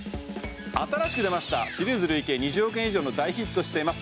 新しく出ましたシリーズ累計２０億円以上の大ヒットしています